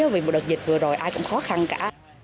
vì một đợt dịch vừa rồi ai cũng khó khăn cả